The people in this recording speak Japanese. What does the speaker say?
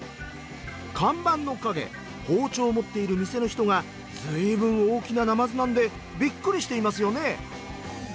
看板の陰包丁を持っている店の人が随分大きななまずなんでびっくりしていますよね！